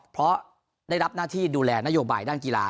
เพราะได้รับหน้าที่ดูแลนโยบายด้านกีฬา